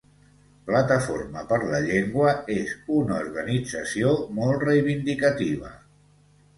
Plataforma per la Llengua és una organització molt reivindicativa.